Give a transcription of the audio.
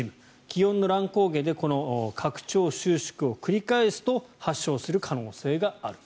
気温の乱高下で拡張・収縮を繰り返すと発症する可能性がある。